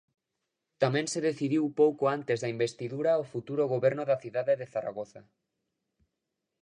Tamén se decidiu pouco antes da investidura o futuro goberno da cidade de Zaragoza.